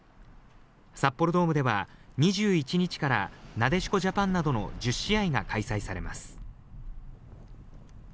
札幌ドームでは、２１日から、なでしこジャパンなどの１０試合が開催されます。